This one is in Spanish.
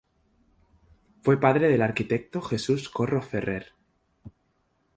Fue padre del arquitecto Jesús Corro Ferrer.